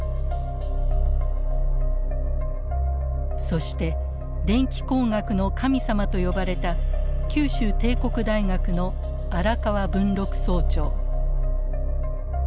そして電気工学の神様と呼ばれた九州帝国大学の荒川文六総長。